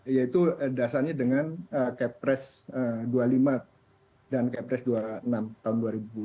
yaitu dasarnya dengan kepres dua puluh lima dan kepres dua puluh enam tahun dua ribu dua puluh